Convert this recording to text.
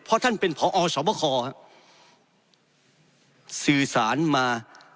เพราะท่านเป็นพอสอบคอสื่อสารมา